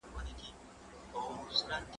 زه پرون واښه راوړله!؟